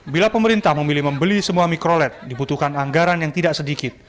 bila pemerintah memilih membeli semua mikrolet dibutuhkan anggaran yang tidak sedikit